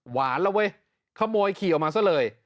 หวานแล้วเว้ยขโมยขี่ออกมาซะเลย